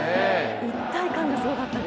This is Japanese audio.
一体感がすごかったです。